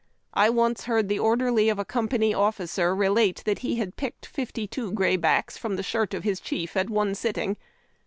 I once heard the orderly of a company officer relate that he had picked fifty two grayhacks from the shirt of his chief at one sitting.